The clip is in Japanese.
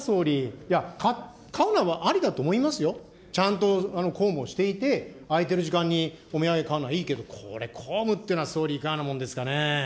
いや、買うのはありだと思いますよ、ちゃんと公務をしていて、空いてる時間にお土産買うのはいいけど、これ公務っていうのは総理、いかがなものですかね。